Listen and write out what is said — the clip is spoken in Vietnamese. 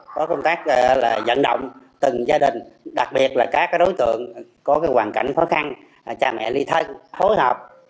các em tránh xa các đối tượng thường xuyên bỏ học